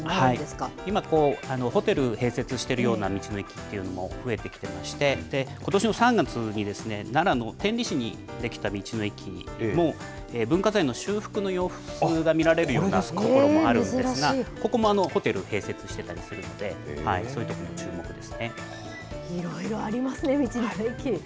今、ホテルを併設しているような道の駅っていうのも増えてきてまして、ことしの３月に、奈良の天理市に出来た道の駅も、文化財の修復の様子が見られるような所もあるんですが、ここもホテル併設してたりするので、そういういろいろありますね、道の駅。